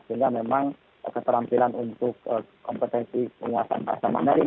sehingga memang keterampilan untuk kompetensi penguasaan bahasa mandarin